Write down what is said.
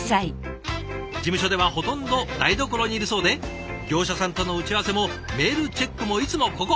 事務所ではほとんど台所にいるそうで業者さんとの打ち合わせもメールチェックもいつもここ。